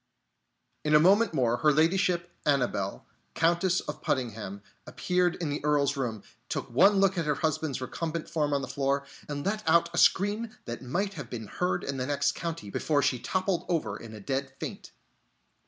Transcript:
In a moment more Her Ladyship, Annabelle, Countess of Puddingham, appeared in the Earl's room, took one look at her husband's recumbent form on the floor, and let out a scream that might have been heard in the next county, before she toppled over in a dead faint.